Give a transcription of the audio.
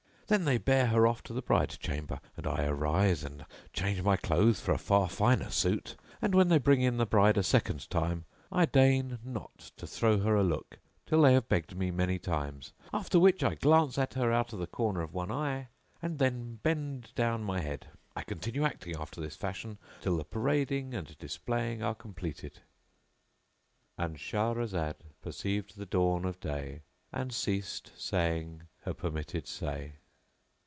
Then they bear her off to the bride chamber,[FN#665] and I arise and change my clothes for a far finer suit; and, when they bring in the bride a second time, I deign not to throw her a look till they have begged me many times; after which I glance at her out of the corner of one eye, and then bend down my head. I continue acting after this fashion till the parading and displaying are completed[FN#666]"—And Shahrazad perceived the dawn of day and ceased saying her permitted say.